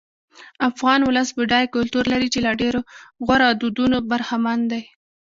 افغان ولس بډای کلتور لري چې له ډېرو غوره دودونو برخمن دی.